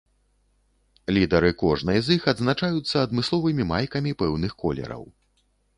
Лідары кожнай з іх адзначаюцца адмысловымі майкамі пэўных колераў.